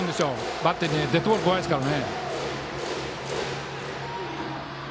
バッテリーはデッドボールが怖いですからね。